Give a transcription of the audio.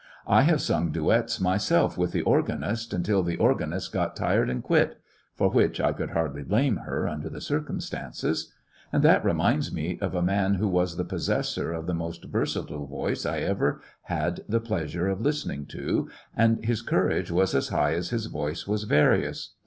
I have song doets myself with the organist until the organist got tired and qnit— for which I could hardly blame her, under the circumstances* And that reminds me of a man wha was the possessor of the most versatile voice I ever had the pleasure of listening to, and his courage was as high as his voice was various.